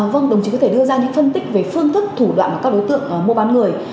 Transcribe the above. vâng đồng chí có thể đưa ra những phân tích về phương thức thủ đoạn của các đối tượng mua bán người